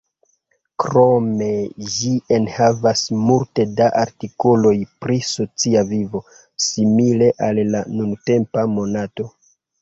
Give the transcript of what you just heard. Krome ĝi enhavis multe da artikoloj pri "socia vivo", simile al al nuntempa Monato.